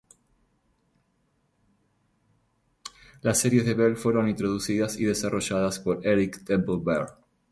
Las series de Bell fueron introducidas y desarrolladas por Eric Temple Bell.